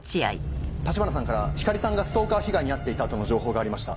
橘さんから光莉さんがストーカー被害に遭っていたとの情報がありました。